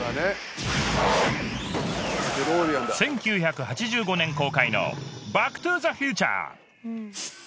１９８５年公開の『バック・トゥ・ザ・フューチャー』